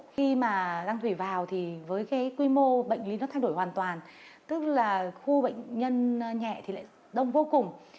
khi mà đang thủy vào thì với cái quy mô bệnh lý nó thay đổi hoàn toàn tức là khu bệnh nhân nhẹ thì lại đông vô cùng